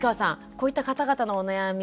こういった方々のお悩み